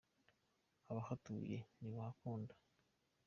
abahatuye ntibahakunda